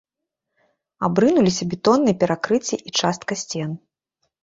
Абрынуліся бетонныя перакрыцці і частка сцен.